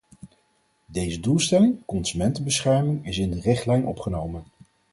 Deze doelstelling - consumentenbescherming - is in de richtlijn opgenomen.